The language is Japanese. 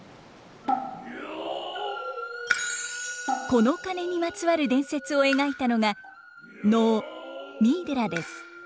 この鐘にまつわる伝説を描いたのが能「三井寺」です。